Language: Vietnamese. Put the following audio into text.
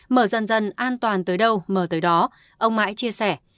mở dần dần an toàn tới đâu mở tới đó ông mãi chia sẻ